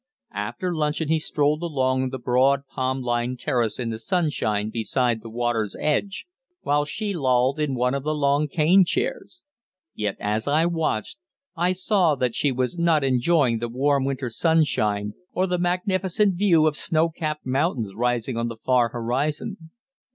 After luncheon he strolled along the broad palm lined terrace in the sunshine beside the water's edge, while she lolled in one of the long cane chairs. Yet, as I watched, I saw that she was not enjoying the warm winter sunshine or the magnificent view of snow capped mountains rising on the far horizon.